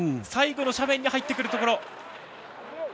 最後の斜面に入ってくるところ。